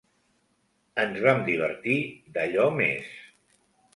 Ens vam divertir d'allò més.